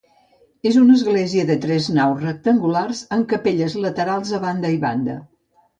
És una església de tres naus rectangular amb capelles laterals a banda i banda.